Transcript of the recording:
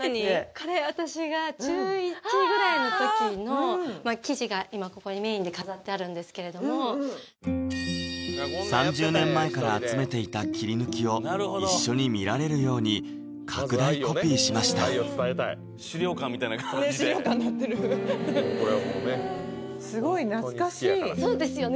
これ私が中１ぐらいの時の記事が今ここにメインで飾ってあるんですけれども３０年前から集めていた切り抜きを一緒に見られるように拡大コピーしました資料館みたいな感じでねっ資料館なってるそうですよね